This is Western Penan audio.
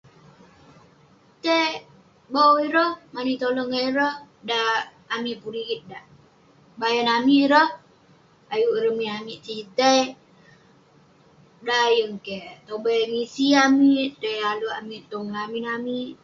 Tai bau ireh, mani tolong ngan ireh. Dan amik pun rigit dak, kebayan amik ireh, Ayuk ireh min amik tai sitei. Dan yeng keh, tobai misi amik. Tai ale amik tong lamin amik.